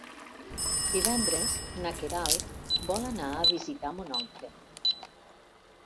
Divendres na Queralt vol anar a visitar mon oncle.